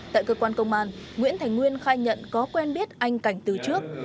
tại cơ quan công an nguyễn thành nguyên khai nhận có quen biết anh cảnh từ trước